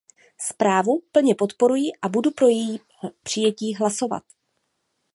Zprávu plně podporuji a budu pro její přijetí hlasovat.